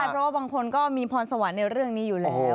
เพราะว่าบางคนก็มีพรสวรรค์ในเรื่องนี้อยู่แล้ว